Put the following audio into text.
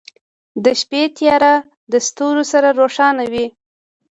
• د شپې تیاره د ستورو سره روښانه وي.